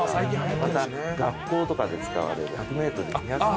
また学校とかで使われる１００ｍ２００ｍ。